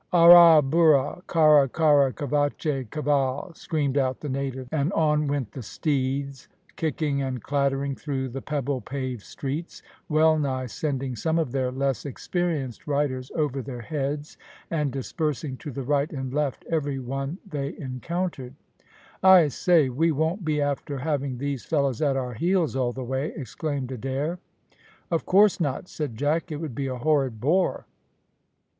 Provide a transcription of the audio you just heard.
"Arra burra! cara! cara cavache! caval!" screamed out the natives, and on went the steeds, kicking and clattering through the pebble paved streets, well nigh sending some of their less experienced riders over their heads, and dispersing to the right and left every one they encountered. "I say, we won't be after having these fellows at our heels all the way," exclaimed Adair. "Of course not," said Jack; "it would be a horrid bore."